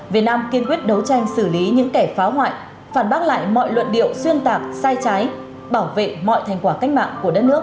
việt nam kiên quyết đấu tranh xử lý những kẻ phá hoại phản bác lại mọi luận điệu xuyên tạc sai trái bảo vệ mọi thành quả cách mạng của đất nước